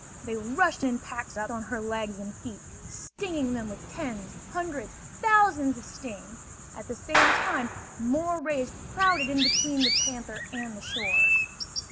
They rushed in packs upon her legs and feet, stinging them with tens, hundreds, thousands of stings. At the same time more rays crowded in between the panther and the shore.